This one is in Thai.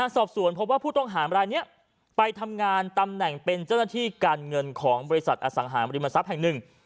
สอบสวนพบว่าผู้ต้องหามรายนี้ไปทำงานตำแหน่งเป็นเจ้าหน้าที่การเงินของบริษัทอสังหาบริมทรัพย์แห่งหนึ่ง